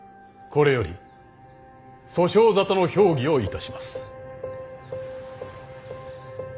これより訴訟沙汰の評議をいたします。